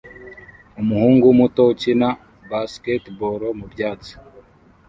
umuhungu muto ukina basketball mubyatsi